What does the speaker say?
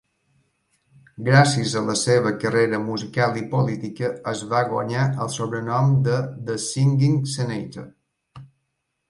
Gràcies a la seva carrera musical i política, es va guanyar el sobrenom de The Singing Senator.